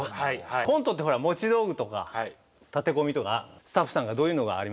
コントってほら持ち道具とか建て込みとかスタッフさんが「どういうのがありますかね？」